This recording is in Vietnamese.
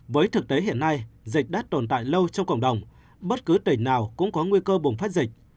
với thực tế hiện nay dịch đã tồn tại lâu trong cộng đồng bất cứ tỉnh nào cũng có nguy cơ bùng phát dịch